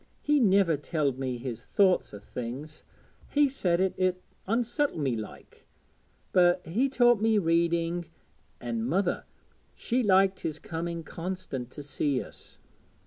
He niver telled me his thoughts o' things he said it 'ud unsettle me like but he taught me reading; an' mother, she liked his coming constant to see us.